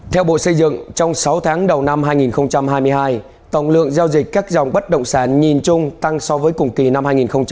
theo bộ xây dựng trong sáu tháng đầu năm hai nghìn hai mươi hai tổng lượng giao dịch các dòng bất động sản nhìn chung tăng so với cùng kỳ năm hai nghìn hai mươi hai